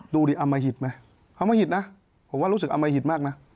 ดูดิอมหิตไหมอมหิตนะผมว่ารู้สึกอมหิตมากนะ